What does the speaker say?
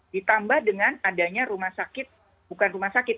ditambah dengan adanya rumah sakit bukan rumah sakit